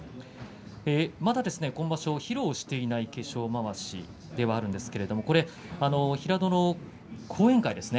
まだ披露していない化粧まわしではありますけれど平戸の後援会ですね。